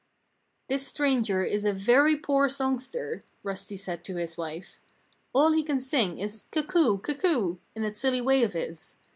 "This stranger is a very poor songster!" Rusty said to his wife. "All he can sing is 'Cuckoo! cuckoo!' in that silly way of his.